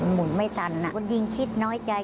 หมุนไม่ทันคนยิงคิดน้อยใจ